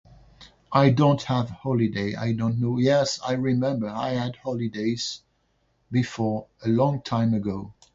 I don't have holiday, I don't know. Yes, I remember! I had holidays before. A long time ago.